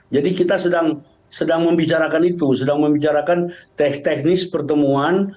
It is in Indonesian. jadi kita sedang membicarakan itu sedang membicarakan teknis pertemuan